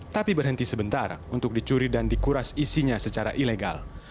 tapi berhenti sebentar untuk dicuri dan dikuras isinya secara ilegal